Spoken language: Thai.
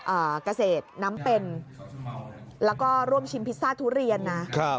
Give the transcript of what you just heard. เกษตรน้ำเป็นแล้วก็ร่วมชิมพิซซ่าทุเรียนนะครับ